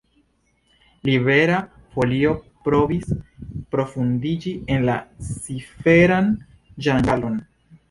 Libera Folio provis profundiĝi en la ciferan ĝangalon.